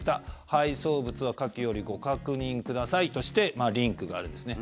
配送物は下記よりご確認くださいとしてリンクがあるんですね。